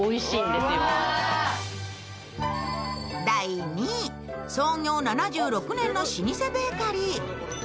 第２位、創業７６年の老舗ベーカリー